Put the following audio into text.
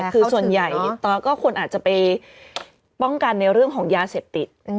คือส่วนใหญ่ก็คนอาจจะไปป้องกันในเรื่องของยาเสพติด